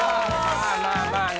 まあまあまあね